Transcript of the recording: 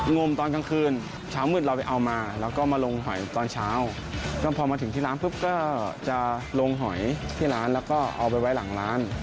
งมตอนกลางคืนเช้ามืดเราไปเอามาแล้วก็มาลงหอยตอนเช้าก็พอมาถึงที่ร้านปุ๊บก็จะลงหอยที่ร้านแล้วก็เอาไปไว้หลังร้าน